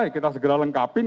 ya kita segera lengkapin